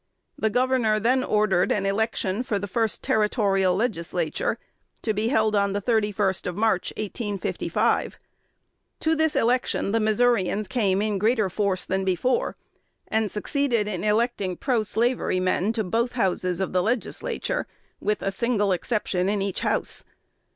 The governor then ordered an election for a first Territorial Legislature, to be held on the 31st of March, 1855. To this election the Missourians came in greater force than before; and succeeded in electing proslavery men to both Houses of the Legislature, with a single exception in each house.